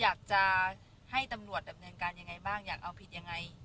อยากจะให้ตำรวจดำเนินการยังไงบ้างอยากเอาผิดยังไง